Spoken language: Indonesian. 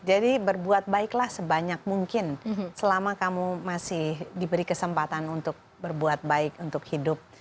jadi berbuat baiklah sebanyak mungkin selama kamu masih diberi kesempatan untuk berbuat baik untuk hidup